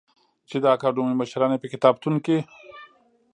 چې د اکاډمۍ مشران یې په کتابتون کې